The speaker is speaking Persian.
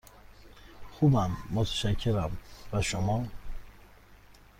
خوبم، متشکرم، و شما؟